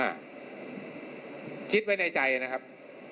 ก็คิดไว้ในใจนะครับ